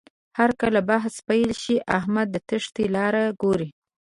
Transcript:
هرکله بحث پیل شي، احمد د تېښتې لاره ګوري.